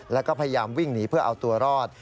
แล้วก็พยายามวิ่งหนีเพื่อเอาตัวรอด